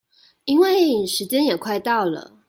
因為時間也快到了